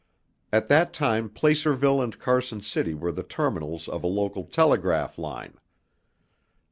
At that time Placerville and Carson City were the terminals of a local telegraph line.